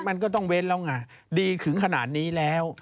มันก็ต้องเว้นแล้วไงดีถึงขนาดนี้แล้ว